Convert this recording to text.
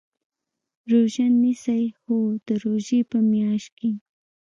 روژه نیسئ؟ هو، د روژی په میاشت کې